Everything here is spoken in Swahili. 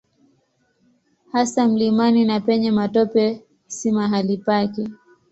Hasa mlimani na penye matope si mahali pake.